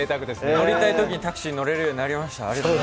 乗りたいときにタクシーに乗れるようになりました。